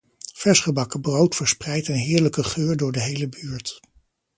Versgebakken brood verspreidt een heerlijke geur door de hele buurt.